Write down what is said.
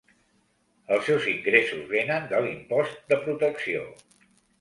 Els seus ingressos vénen de l'impost de protecció.